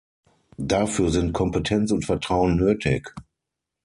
Dafür sind Kompetenz und Vertrauen nötig.